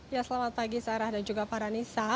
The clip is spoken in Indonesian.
ya selamat pagi sarah dan juga para nisa